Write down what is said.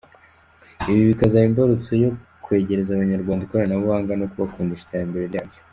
Ibyo bikazaba imbarutso yo kwegereza Abanyarwanda ikoranabuhanga, no kubakundisha iterambere rya ryaryo.